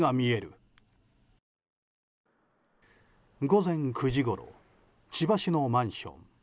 午前９時ごろ千葉市のマンション。